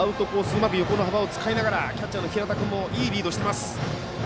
うまく横の幅を使いながらキャッチャーの平田君もいいリードしています。